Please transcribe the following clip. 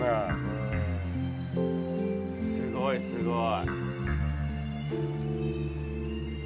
すごいすごい。